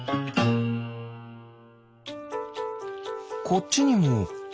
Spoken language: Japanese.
こっちにもハチ？